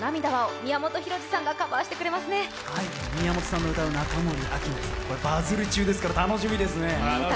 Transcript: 宮本さんが歌う中森明菜さん、バズり中ですから楽しみですね。